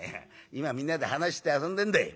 今みんなで話しして遊んでんだい。